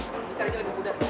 cari yang lebih mudah